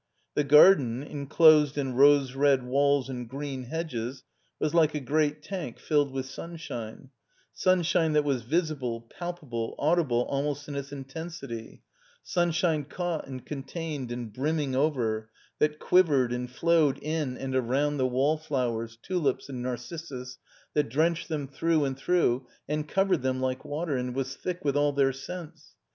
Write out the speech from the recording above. The garden, inclosed in rose red walls and green hedges, was like a great tank filled with sunshine; sunshine that was visible, palpable, audible almost in its intensity; sunshine caught and contained and brimming over, that quivered and flowed in and around the wall flowers, tulips and narcissus, that drenched them through and through and covered them like water, and was thick with all their scents.